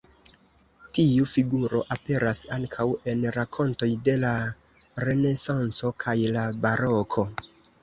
Tiu figuro aperas ankaŭ en rakontoj de la Renesanco kaj la Baroko.